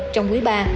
trong quý ba